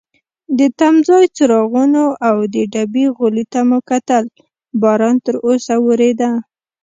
د تمځای څراغونو او د ډبې غولي ته مو کتل، باران تراوسه وریده.